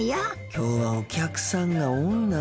きょうはお客さんが多いな。